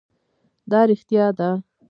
دا رښتيا ده؟